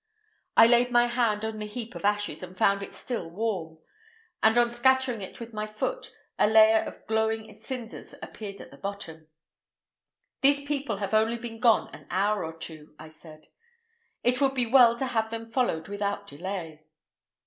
I laid my hand on the heap of ashes, and found it still warm, and on scattering it with my foot a layer of glowing cinders appeared at the bottom. "These people have only been gone an hour or two," I said. "It would be well to have them followed without delay."